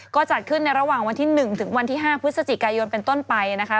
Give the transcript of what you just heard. ก็จัดขึ้นในระหว่างวันที่๑ถึงวันที่๕พฤศจิกายนเป็นต้นไปนะคะ